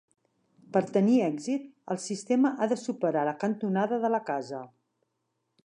Per tenir èxit, el sistema ha de superar la cantonada de la casa.